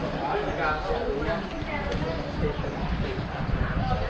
หรือว่าจะอยู่แม่ง